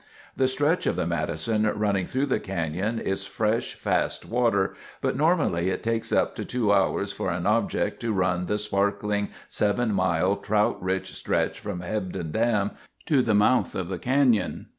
The stretch of the Madison running through the canyon is fresh, fast water, but normally it takes up to two hours for an object to run the sparkling, seven mile, trout rich stretch from Hebgen Dam to the mouth of the canyon.